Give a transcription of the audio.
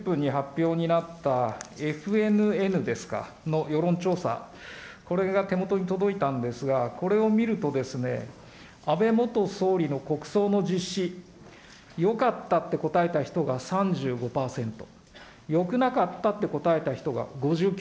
総理、先ほど１１時３０分に発表になった、ＦＮＮの世論調査、これが手元に届いたんですが、これを見るとですね、安倍元総理の国葬の実施、よかったって答えた人が３５％、よくなかったって答えた人が５９％。